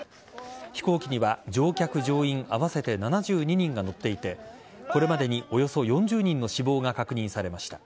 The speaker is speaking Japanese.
飛行機には乗客乗員合わせて７２人が乗っていてこれまでにおよそ４０人の死亡が確認されました。